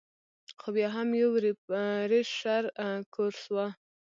خو بيا هم يو ريفرېشر کورس وۀ -